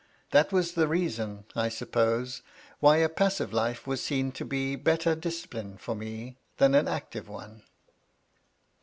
That was the reason, I suppose, why a passive life was seen to be better disci pline for me than an active one.